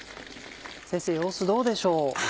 先生様子どうでしょう？